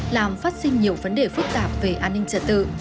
làm phát sinh nhiều vấn đề phức tạp về an ninh trật tự